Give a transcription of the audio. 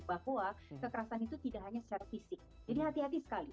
bahwa kekerasan itu tidak hanya secara fisik jadi hati hati sekali